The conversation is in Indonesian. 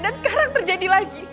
dan sekarang terjadi lagi